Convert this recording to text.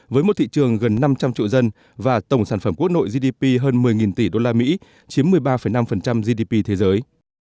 với một thị trường gần năm trăm linh triệu dân và tổng sản phẩm quốc nội gdp hơn một mươi tỷ usd chiếm một mươi ba năm gdp thế giới